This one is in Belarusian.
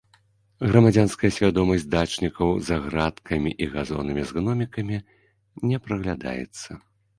Грамадзянская свядомасць дачнікаў за градкамі і газонамі з гномікамі не праглядаецца.